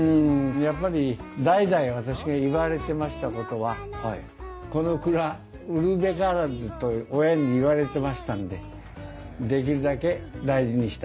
やっぱり代々私が言われてましたことは「この蔵売るべからず」と親に言われてましたんでできるだけ大事にしたいと思ってました。